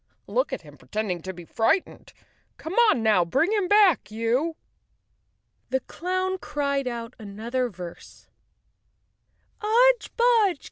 "Look at him pretending to be frightened. Come on now, bring him back, you!" The clown cried out another verse: " Udge! Budge!